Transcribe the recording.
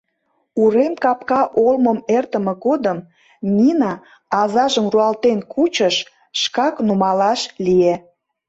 Урем капка олмым эртыме годым Нина азажым руалтен кучыш, шкак нумалаш лие.